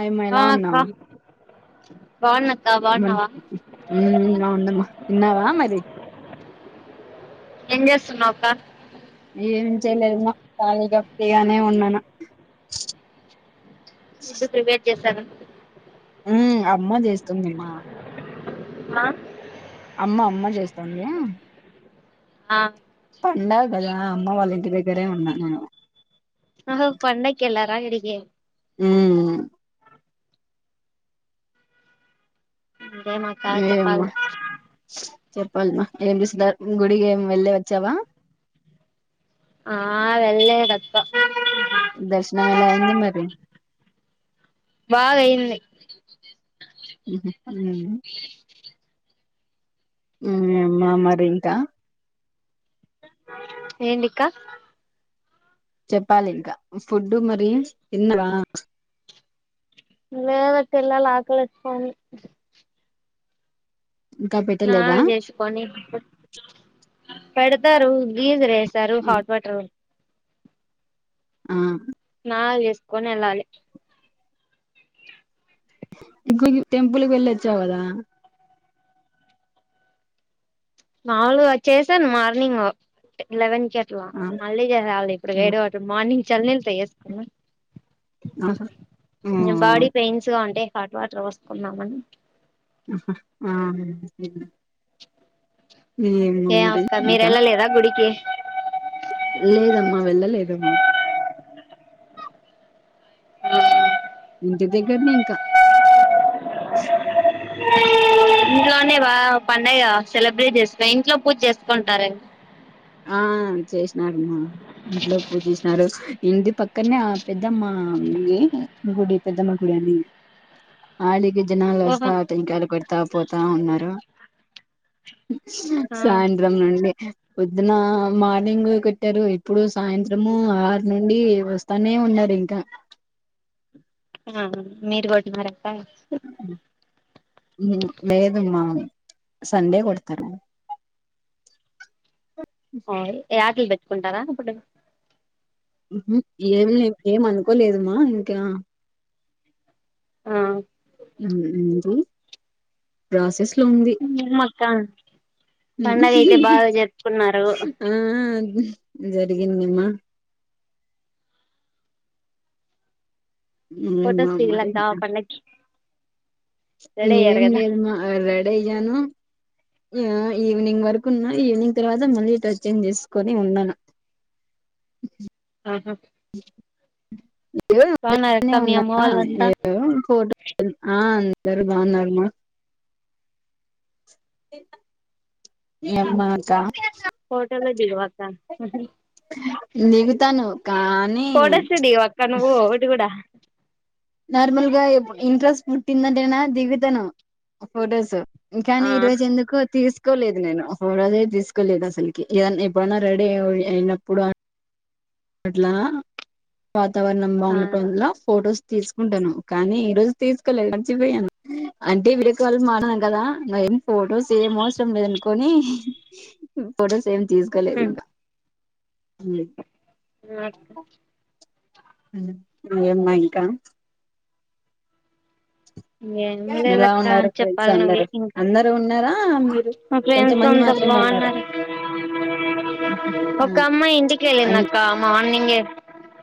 అమ్మ ఆ ఎలా అక్క ఉన్నావ్ బాగున్నక్క మ బాగున్నావా అవున్నామ్మా తిన్నావా మరి ఎం చేస్తున్నావ్ అక్క ఏం చేయలేదు నా ఖాళీగా ఫ్రీగానే ఉన్నాను ఫుడ్ ప్రిపేర్ చేశావా ఆ అమ్మ చేస్తుందిమ్మా ఆ అమ్మ అమ్మ చేస్తుంది ఆ పండాగ కదా అమ్మ వాళ్ళ ఇంటి దగ్గరే ఉన్నా నేను ఆహ పండకిళ్లారా ఇంటికి మ్మ్ ఇంకేమక్క ఏ అమ్మ చెప్పాలి చెప్పాలమా ఏం చేస్తుధ గుడికి ఏమి వెళ్లేే వచ్చావా ఆ వెళ్ళలేదు అక్క దర్శనం ఎలా అయింది మరి బాగాయింది మ్మ్ ఎం మా మరి ఇంకా ఏడిక్క చెప్పాలి ఇంకా ఫుడ్డు మరి తిన్నావా లేదు తినాలా అట్లు వేసుకొని ఇంకా పెట్టలేదా స్నానాలు చేషకోని పెడతారు గీజర్ ఏ సారు ఆ హాట్ వాటర్ ఆ స్నానాలు చేసుకొని వెళ్ళాలి ఇ టెంపుల్కి వెళ్ళొచ్చా కదా మామూలుగా చేశాను మార్నింగ్ లెవెన్ కి ఇట్లా ఆ మళ్ళీ చేళ్ు ఇప్పుడు ఆ వేడి వాటర్ మార్నింగ్ చల్ళ్ళ ఆ. ఆ చేసుకున్నా బాడీ పెయిన్స్ అంటే హాట్ వాటర్ పోస్తుకున్నామని ఆ ఏ ఏమోమరి అక్క మీరు ఇంకా వెళ్ళలేదా గుడికి లేదమ్మా వెళ్ళలేదమ్మా ఇంటి దగ్గరని ఇంకా ఇట్లోనే వా పండుగ సెలబ్రేట్ చేస్త ఇంట్లో పూజ చేసుకుంటారు చేసినారుమ్మా ఇంట్లో పూజసినారు ఇంటి పక్కనే ఆ పెద్దమ్మ గుడి పెద్దమ్మ గుడి అని ఆళకి జనాలు ఓహో అస్తా టెంకాయలు కొడతా పోతా ఉన్నారు ఆ సాయంత్రం నుండి పొద్దున మార్నింగ్ కట్టారు ఇప్పుడు సాయంత్రము ఆరు నుండి వస్తానే ఉన్నారు ఇంకా ఆ మీరు కొట్టినారా లేదు అమ్మ సండే కొడతారు ఓ యాటలు పెచ్చుకుంటారా ఇప్పుడు ఏం లే ఏం అనుకోలేదుమ్మా ఇంకా ఆ ఉ ఉంది ప్రాసెస్ హ్మ్ మక్క ఆ జరిగిందమ్మా ఏమో పోటోస్ మరి దిగిలాక్క ఇంకా. పండకి ఏం లేదుమ్మ రెడీ అయను ఆ ఈవినింగ్ వరకు ఉన్నా ఈవినింగ్ తర్వాత మళ్ళీ చేేంజ్ చేసుకొని ఉన్నాను అ ఆహా బాగున్నారక్క [inaudible] మీ ఉన్నా అమ్మ వాళ్ళంతా [unintelligible] ఫోటో అందరూ బాగునారుమ్మా [unintelligible] అమ్మా మాకా [unintelligible] నిగుతాను కానీ ఫోటోస్ దిగవక్క నువ్వు ఒకటి కూడా నార్మల్ గా ఇంట్రెస్ట్ పుట్టిందంటేనా దిగుతను ఫొటోస్ కాని ఆ ఈరోజు ఎందుకో తీసు తీసుకోలేదు నేను ఫోటోలే తీసుకోలేదు అసలుకి ఏదన్నా ఎప్పుడన్నా రెడీ అ అయినప్పుడు అట్లా వాతావరణం బా ఆ ఉన్నటల ఫొటోస్ తీసుకుంటాను కానీ ఈరోజు తీసుకోవాలి మర్చిపోయాను అంటే వీడియోకల్ మాట్లాడినం కదా నువ ఏం ఫొటోస్ ఏ అవసరం లేదనుకోని ఫోటోస్ ఏం తీసుకోలేదు హ్మ్ ఇంకా ఉమ్ [inaudible] ఏమ్మా ఇంకా ఏం ఎలా లేదక్క ఉన్నారు ఫ్రెండ్స్ చెప్పాలి నువ్వే అందరు ఇంకా అందరు ఉన్నారా మీరు మా ఫ్రెండ్స్ కొంతమంది అంతా మాత్రమే ఉన్నారా బాగున్నారు ఆ ఒక అమ్మా ఇంటికి అన్ వెళ్ళిందక్కమ్ మా మార్నింగ్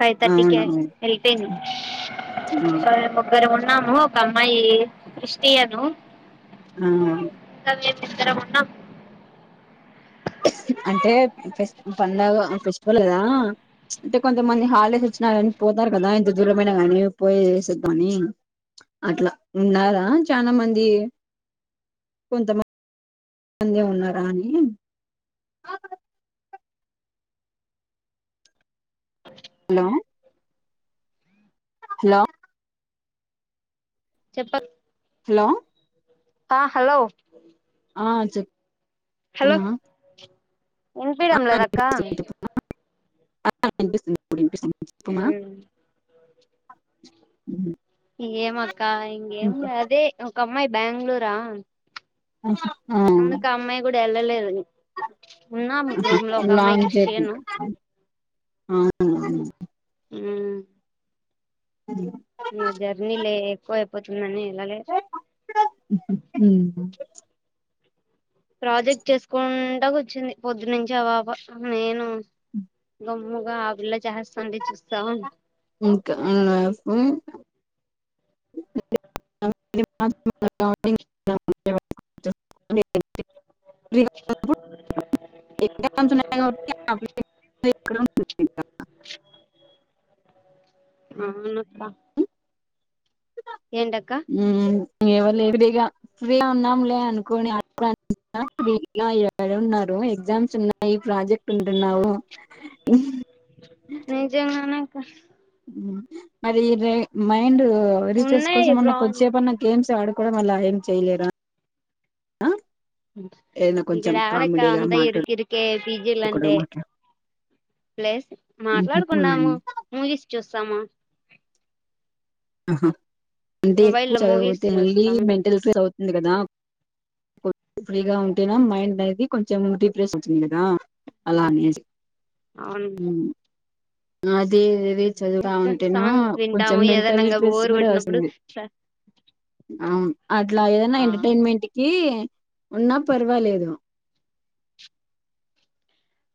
ఫైవ్ థర్టీ క అవునవును వెళ్పోయింది ముగ్గర న్నాము ఒక అమ్మాయి క్రిష్టియను ఆ మేం ఇద్దరం ఉన్నాం అంటే ఫస్ పండగ ఫెస్టివల్ కదా అంటే కొంతమంది హాలిడేస్ ఇచ్చిన పోతారు కదా ఇంత దూరమైన కానీ పోయేసి వద్దామని అట్లా ఉన్నారా చాలా మంది కొంత మంది మందే ఉన్నారా అని హలో హలో చెప్ప క్ హలో ఆ హలో ఆ చెప్ హలో ఇన్పిడంలేదక్క ఆ వినిపిస్తుంది ఇప్పుడు వినిపిస్తుంది చెప్పమా ఇంకేంమక్క ఇంగేం లే అదే ఒక అమ్మాయి బ్యాంగ్ళూర ఆహా అందుకు ఆ అమ్మాయి కూడా వెళ్ళలేదని అమ్మాయి లాంగ్ జర్నీ క్రిస్టియను అవునవును ఉమ్ ఇంక జర్నీ లే ఎక్కువ అయిపోతుందని ఎల్లలే హ్మ్. ప్రాజెక్ట్ చేసుకుంటా కుర్చుంది పొద్దు నుంచి ఆ పాప నేను అ గమ్ముగా ఆ పిల్ల చేస్తాంటే చూస్త ఇంక [inaudible] [inaudible] అవునక్కా హ్మ్ ఇంక ఎవరులేరు ఫ్రీగా ఫ్రీగా ఉన్నాంలే అనుకోని అ [inaudible] ఎగ్జామ్స్ ఉన్నాయి ప్రాజెక్ట్ ఉ తున్నావ్ నిజంగానే అక్క మరి ర మైండ్ రిఫ్రెష్ ఉన్నాయి కోసం అన్న ప్రాజెక్ట్ కొద్దిసేపన్నా గేమ్స్ ఆడు కూడా మళ్ళ ఏం చేయలేరా ఏదైనా ఇక్కడ కొంచెం ఏడకా కామెడీగా అంతా ఇరుకిరికే పిజీలంటే మాట్లాడుకోవడం అట్లా ప్లేస్ మాట్లాడుకున్నాము మూవీస్ చూస్తాము ఆహా అంటే మొబైల్ ఎక్కువ లో మూవీస్ చదివుతే మళ్ళీ చూస్తాము మెంటల్ [inaudible] ఉంది కదా ఫ్రీగా ఉంటే మైండ్ అనేది కొంచెం రీఫ్రెష్ వచ్చంది కదా అలానేస్ అవును హ్మ్ ఆ అయి దే చదువుత అక్క ఉంటేనా సాంగ్స్ కొంచెం వింటాము మెంటల్ ఏదైనా ఇంగ స్ట్రెస్ బోరు కూడా కొట్టినప్పుడు వస్తుంది అవున్ అట్లా ఏదనా ఆ ఎంటర్టైన్మెంట్ కి ఉన్నా పర్వాలేదు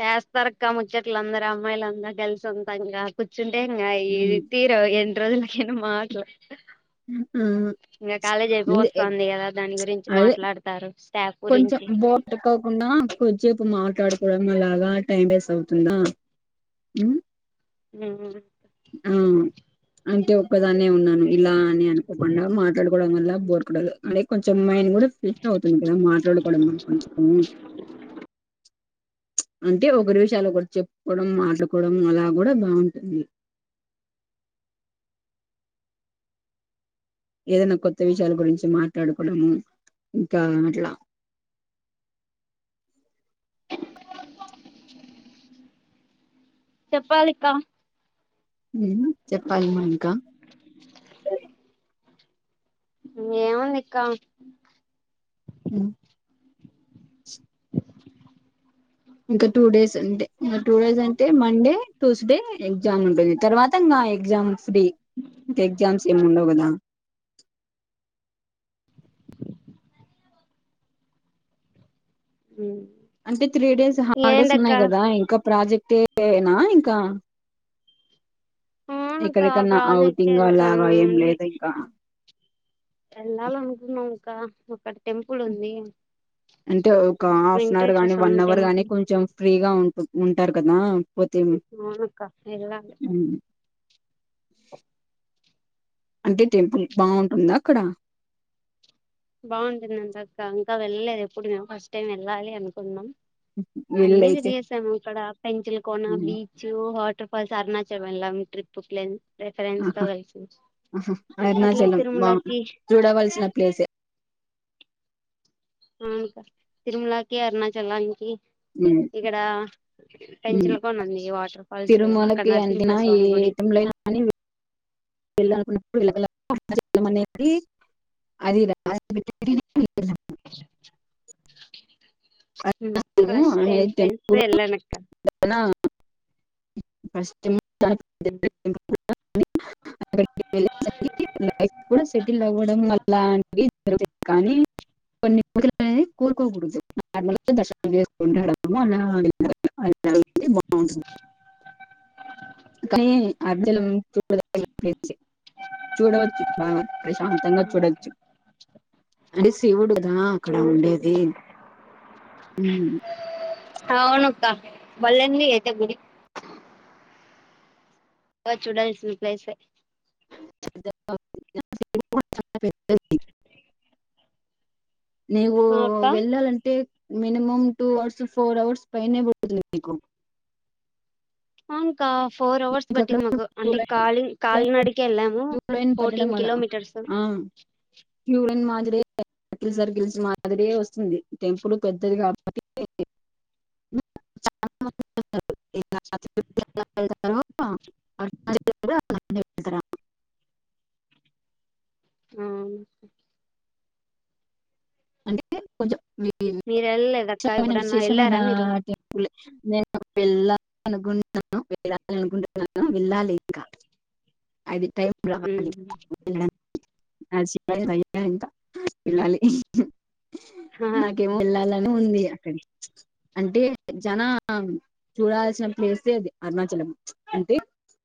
చేస్తారుక ముచ్చట్లు అందర అమ్మాయిల అందర్ గల్సి సొంతంగా కుచ్చ చుంటే ఇంకా ఇది ఉమ్. తీరవ్ ఎన్ని రోజులకైనా మాట్లు ఉమ్, ఇంకా కాలేజ్ అయిపో అదే వస్తాంది కదా దాని గురించి అదే మాట్లాడతారు స్టాఫ్ కొంచెం గురించి బోట్ ఎ కావకుండా కొద్సేపు మాట్లాడుకు కూడా అలాగా టైం వేస్ అవుతుందా ఆ అంటే ఒక్కదానే ఉన్నాను ఇలా అని అనుకోకుండా మాట్లాడుకోవడం వల్ల బోర్ కొడదు అని కొంచెం మైండ్ కూడా ఫ్రీ అవు ఏద మాట్లాడపడ పంచము [unintelligible] అంటే ఒకరి విషయాలు ఒకరు చెప్పుకోవడం మాట్కోవడం అలా కూడా బాగుంటది ఏదైనా కొత్త విషయాల గురించి మాట్లాడుకోవడము ఇంకా అట్లా చెప్పాలికా ఉ చెప్పాలమ్మా ఇంకా ఏముంది ఇక్క అ ఇంక టూ డేస్ అంతే ఇంకా టూ డేస్ అంటే మండే ట్యూస్డే ఎగ్జామ్ ఉంటది తర్వాత ఇంకా ఎగ్జామ్ ఫ్రీ ఇంక ఎగ్జామ్స్ ఏమి ఉండవు కదా హ అంటే త్రీ డేస్ హాలిడేస్ ఉన్నాయి కదా ఇంకా ప్రాజెక్టే ఏనా ఇంకా అవునక్క ఎక్కడికన్నా ప్రాజెక్ట్ అవుటింగ్ అది లాగా చానా ఏం లేద ఇంకా ఎల్లాలి అనుకున్నాం అక్క ఒకటి టెంపుల్ ఉంది అంటే ఒక హాఫ్ అన్ అవర్ వెంకటేశ్వర గానీ వన్ స్వామి అవర్ గాని టెంపుల్ కొంచెం ఫ్రీగా ఉంటే ఉంటారు కదా పోతే అవునక్క వెళ్ళాలి అంటే టెంపుల్ బాగుంటుందా అక్కడ బాగుంటుందంట అక్క ఇంకా వెళ్ళలేదు ఎప్పుడు మేము ఫస్ట్ టైం వెళ్ళాలి అనుకుంటున్నాం అన్నీ వెళ్ళయితే తిరిగేసాము ఇక్కడ పెంచల్కోన ఆహా బీచ్ వాటర్ ఫాల్స్ అరుణాచలం వెళ్ళాం ట్రిప్ ప్లన్ ఫ్రెండ్స్ తో ఆహా కలిసి అట్ల అరుణాచలం బా తిరుమలాకి చూడవలసిన ప్లేసే అవునక్కా తిరుమలకి అరుణాచలానికి హ్మ్. ఇక్కడ పెంచలకొన ఉంది వాటర్ఫాల్స్ తిరుమలకు [unintelligible] అంటంటిన ఏ తమ్ల వెళ్ళనుకున్నప్పుడు వెళల ప చేం అనేది [unintelligible] అదిలా [unintelligible] ఫస్ట్ టైం ఫ్రెండ్స్ తో వెళ్ళాను అక్క నా [unintelligible] [inaudible] వె లైఫ్ కూడా సెటిల్ అవ్వడం వల్ల అనేది జరుగుంది కానీ [unintelligible] కొన్ని [unintelligible] ఇప్పుడే కోరుకోకూడదు నార్మల్గ దర్శనం చేసుంటం అనాలి అలా అయితే బాగుంటుంది చూడ చూడవచ్చు ప్రశాంతంగా చూడవచ్చు అంటే శివుడుగా కదా అక్కడ ఉండేది హ అవునక్క బలే ఉంది అయితే గుడి చూడాలిసిన ప్లేసే [inaudible] నీవు ఆ అక్క వెళ్ళాలంటే minimum two hours four hours ఫైనే పడుతుంది నీకు ఒక ఫోర్ అవర్స్ నీకు అక్కడ పట్టింది మాకు క్యూ అంటే లైన్ కాలి కాలినడక వెళ్ళాము ఫోర్టీన్ కిలోమీటర్స్ ఆ లిటిల్ సర్కిల్స్ మాదిరే వస్తుంది టెంపుల్ పెద్దది కాబట్టి [unintelligible] [inaudible] ఆ అంటే కొంచెం [unintelligible] మీరు వెళ్ళలేదక్క ఎప్పుడన్నా విశేషమైన వెళ్ళారా మీరు టెంపుల్ నేను వెళ్ల అనుకుంటున్నాను వెళ్ళాలి అనుకుంటున్నాను వెళ్ళాలి ఇంకా అది. టైంరావాలి వెళ్లడాన్ ఆ చెయ్యాలి ట్రైయేయ్యలింక వెళ్ళాలి. నాకేమో వెళ్ళాలని ఉందీ. అంటే జనా చూడాల్సిన ప్లేసే అది అరుణాచలం. [unintelligible]